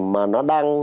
mà nó đang